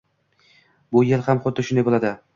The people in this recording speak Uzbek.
Bu yil ham xuddi shunday bo'ladi